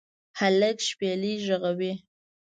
هلک شپیلۍ ږغوي